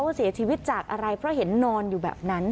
เสียชีวิตจากอะไรเพราะเห็นนอนอยู่แบบนั้น